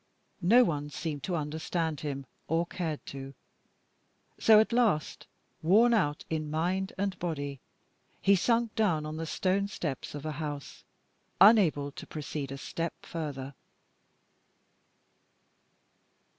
No one seemed to understand him, or cared to; so at last, worn out in mind and body, he sunk down on the stone steps of a house, unable to proceed a step further.